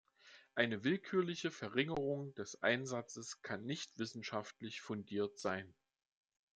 Eine willkürliche Verringerung des Einsatzes kann nicht wissenschaftlich fundiert sein.